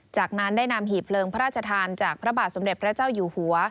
จากนั้นได้นำหีบเลิงพระราชทานจากพระบาทสมเด็จพระเจ้าอยู่หัว